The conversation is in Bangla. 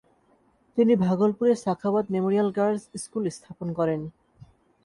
তিনি ভাগলপুরে ‘সাখাওয়াৎ মেমোরিয়াল গার্লস’ স্কুল স্থাপন করেন।